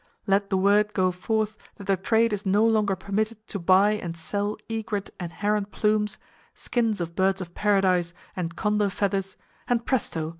Let the word go forth that "the trade" is no longer permitted to buy and sell egret and heron plumes, skins of birds of paradise and condor feathers, and presto!